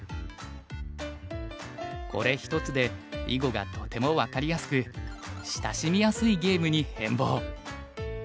これ一つで囲碁がとても分かりやすく親しみやすいゲームに変貌。